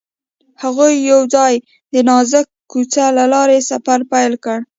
هغوی یوځای د نازک کوڅه له لارې سفر پیل کړ.